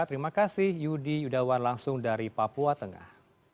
terima kasih yudi yudawan langsung dari papua tengah